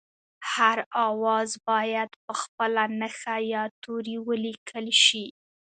هر آواز باید په خپله نښه یا توري ولیکل شي